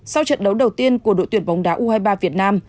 sau trận đấu đầu tiên của đội tuyển bóng đá u hai mươi ba việt nam